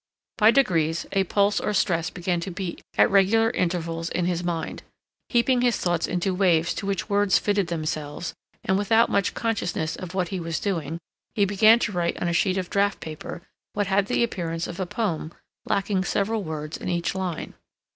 By degrees, a pulse or stress began to beat at regular intervals in his mind, heaping his thoughts into waves to which words fitted themselves, and without much consciousness of what he was doing, he began to write on a sheet of draft paper what had the appearance of a poem lacking several words in each line.